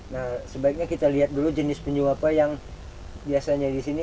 nah sebaiknya kita lihat dulu jenis penyuh apa yang biasanya di sini